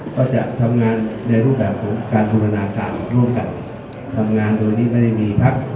ก็จะทำงานในรูปแบบของการบูรณาการร่วมกันทำงานโดยที่ไม่ได้มีพัก